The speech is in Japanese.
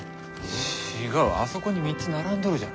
違うあそこに３つ並んどるじゃろ。